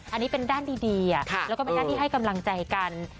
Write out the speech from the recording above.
อันนี้เป็นด้านดีแล้วก็เป็นด้านที่ให้กำลังใจกัน